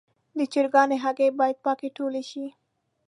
د چرګانو هګۍ باید پاکې ټولې شي.